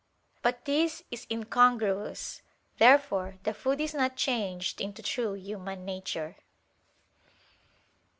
But this is incongruous. Therefore the food is not changed into true human nature.